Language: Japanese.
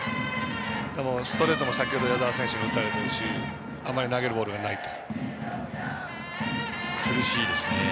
ストレートを先ほど矢澤選手に打たれているしあまり投げるボールがないと。